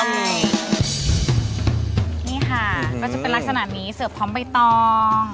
นี่ค่ะก็จะเป็นลักษณะนี้เสิร์ฟพร้อมใบตอง